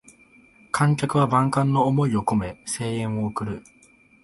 観客は万感の思いをこめ声援を送る